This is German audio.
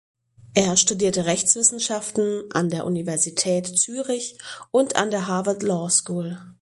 Er studierte Rechtswissenschaften an der Universität Zürich und an der Harvard Law School.